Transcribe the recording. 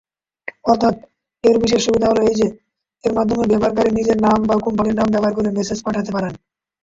অর্থাৎ এর বিশেষ সুবিধা হল এই যে, এর মাধ্যমে ব্যবহারকারী নিজের নাম বা কোম্পানীর নাম ব্যবহার করে মেসেজ পাঠাতে পারেন।